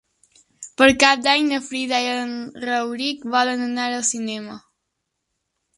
Per Cap d'Any na Frida i en Rauric volen anar al cinema.